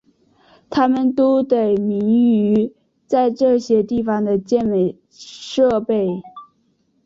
它们都得名于在这些地方的健美设备。